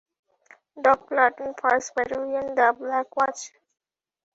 Dog platoon, first battalion, the Black watch?